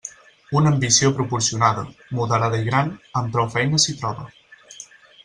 Una ambició proporcionada, moderada i gran, amb prou feines s'hi troba.